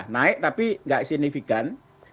naik tapi nggak signifikan